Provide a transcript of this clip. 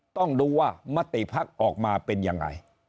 ต้องดูว่ามติภักดิ์ออกมาเป็นยังไง